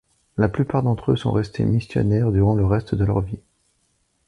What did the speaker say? La plupart d'entre eux sont restés missionnaires durant le reste de leurs vies.